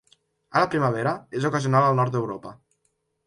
A la primavera, és ocasional al nord d'Europa.